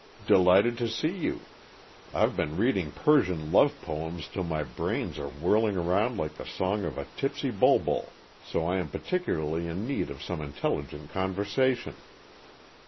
"Delighted to see you! I've been reading Persian love poems till my brains are whirling around like the song of a tipsy bulbul, so I am particularly in need of some intelligent conversation.